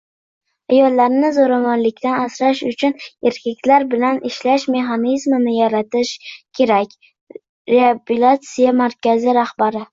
«Ayollarni zo‘ravonlikdan asrash uchun erkaklar bilan ishlash mexanizmini yaratish kerak» – Reabilitatsiya markazi rahbari